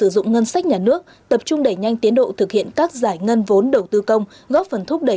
vốn đầu tư công góp phần thúc đẩy tăng trưởng kinh tế